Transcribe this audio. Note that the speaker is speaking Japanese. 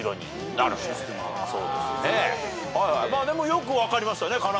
でもよく分かりましたね。